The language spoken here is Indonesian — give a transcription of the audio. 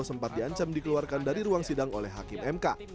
sempat diancam dikeluarkan dari ruang sidang oleh hakim mk